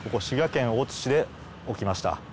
滋賀県大津市で起きました